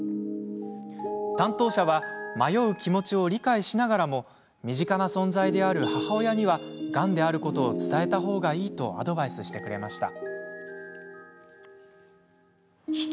担当者は迷う気持ちを理解しながらも身近な存在である母親にはがんであることを伝えた方がいいとアドバイスしてくれました。